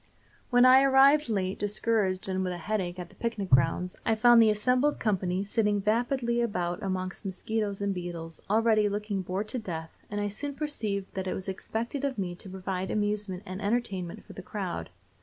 When I arrived late, discouraged and with a headache, at the picnic grounds, I found the assembled company sitting vapidly about among mosquitoes and beetles, already looking bored to death, and I soon perceived that it was expected of me to provide amusement and entertainment for the crowd.